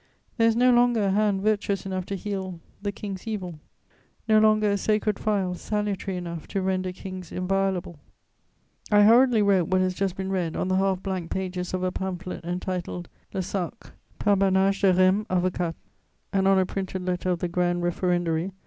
There is no longer a hand virtuous enough to heal the king's evil, no longer a sacred phial salutary enough to render kings inviolable." I hurriedly wrote what has just been read on the half blank pages of a pamphlet entitled, Le Sacre; par Barnage de Reims, avocat, and on a printed letter of the Grand Referendary, M.